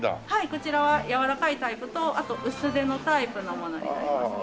こちらは柔らかいタイプとあと薄手のタイプのものになりますね。